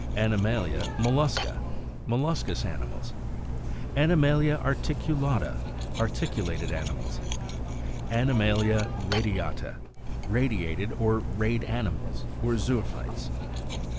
2nd. Animalia mollusca molluscous animals. 3rd. Animalia articulata articulated animals. 4th. Animalia radiata radiated or rayed animals or zoophytes.